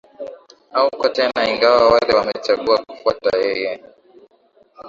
hauko tena ingawa wale wamechagua kufuata yeye